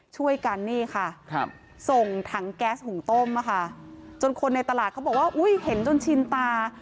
จนโครดในตลาดฮูยเห็นจนชินตา